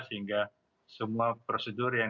sehingga semua prosedur yang